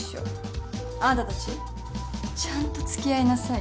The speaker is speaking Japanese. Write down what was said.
あんたたちちゃんと付き合いなさいよ。